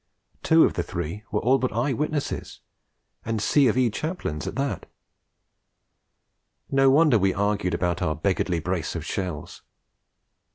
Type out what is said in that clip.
Two of the three were all but eye witnesses, and C. of E. chaplains at that! No wonder we argued about our beggarly brace of shells.